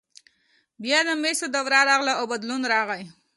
بیا د مسو دوره راغله او بدلون راغی.